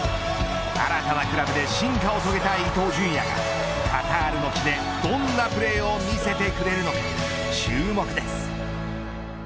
新たなクラブで進化を遂げた伊東純也がカタールの地でどんなプレーを見せてくれるのか、注目です。